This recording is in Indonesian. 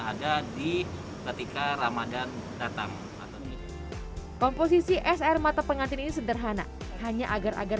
ada di ketika ramadhan datang komposisi es air mata pengantin ini sederhana hanya agar agar